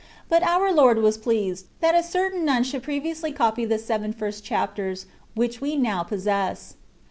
But our Lord was pleased that a cer tain nun should previously copy the seven first chapters, which we now possess.